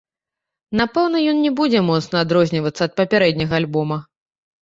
Напэўна, ён не будзе моцна адрознівацца ад папярэдняга альбома.